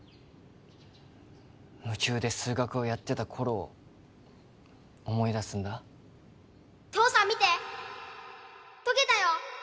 夢中で数学をやってた頃を思い出すんだ父さん見て解けたよ